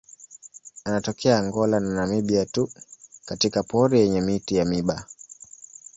Anatokea Angola na Namibia tu katika pori yenye miti ya miiba.